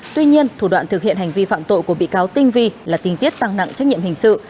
tuy nhiên thủ đoạn thực hiện hành vi phạm tội của bị cáo tinh vi là tình tiết tăng nặng trách nhiệm hình sự